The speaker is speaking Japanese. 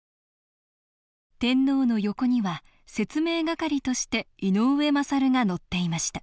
天皇の横には説明係として井上勝が乗っていました。